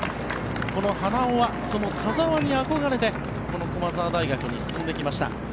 この花尾は田澤に憧れて駒澤大学に進んできました。